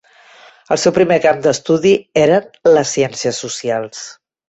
El seu primer camp d'estudi eren les ciències socials.